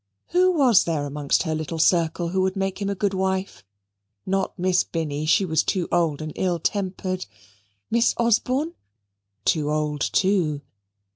Who was there amongst her little circle who would make him a good wife? Not Miss Binny, she was too old and ill tempered; Miss Osborne? too old too.